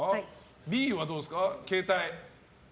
Ｂはどうですか。